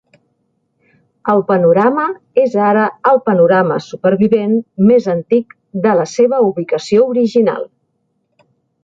El panorama és ara el panorama supervivent més antic de la seva ubicació original.